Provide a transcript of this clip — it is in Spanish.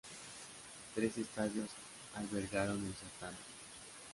Tres estadios albergaron el certamen.